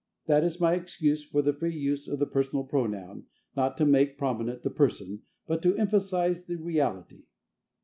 That is my excuse for the free use of the personal pronoun, not to make prominent the person, but to emphasize the reality.